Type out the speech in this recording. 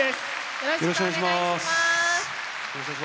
よろしくお願いします。